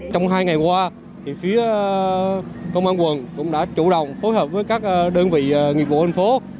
các công an quần cũng đã chủ đồng phối hợp với các đơn vị nghiệp vụ anh phố